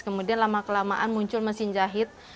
kemudian lama kelamaan muncul mesin jahit